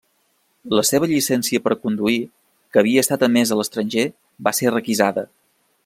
La seva llicència per a conduir, que havia estat emesa a l'estranger, va ser requisada.